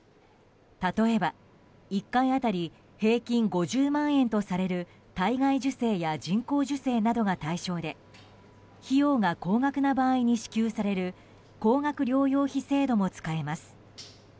例えば１回当たり平均５０万円とされる体外受精や人工授精などが対象で費用が高額な場合に支給される高額療養費制度も使えます。